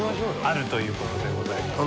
あるということでございますね。